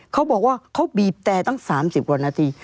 เขาบอกว่าเขาบีบแต่ตั้ง๓๐กว่านาที